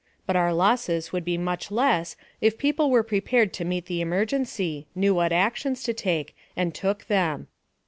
But our losses would be much less if people were prepared to meet the emergency, knew what actions to take, and took them.